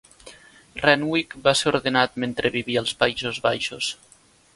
Renwick va ser ordenat mentre vivia als Països Baixos.